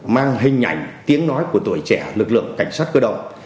mang hình ảnh tiếng nói của tuổi trẻ lực lượng cảnh sát cơ động